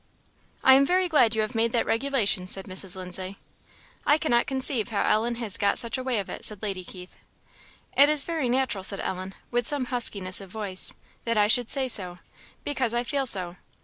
"I am very glad you have made that regulation," said Mrs. Lindsay. "I cannot conceive how Ellen has got such a way of it," said Lady Keith. "It is very natural," said Ellen, with some huskiness of voice, "that I should say so, because I feel so."